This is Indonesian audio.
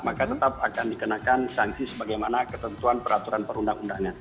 maka tetap akan dikenakan sanksi sebagaimana ketentuan peraturan perundang undangan